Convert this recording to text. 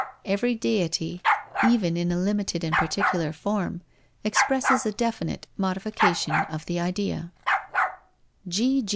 Every deity, even in a limited and particular form, expresses a definite modification of the Idea.